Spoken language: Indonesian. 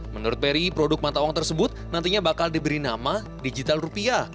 menurut peri produk mata uang tersebut nantinya bakal diberi nama digital rupiah